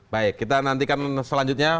baik kita nantikan selanjutnya